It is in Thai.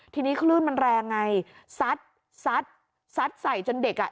ทีนี้คลื่นมันแรงไงซัดซัดซัดใส่จนเด็กอ่ะ